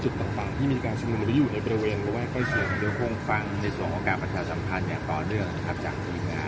ได้เกิดก็วงฟังในส่วนโอกาสปัญหาสำคัญต่อเนื่องจากพิงา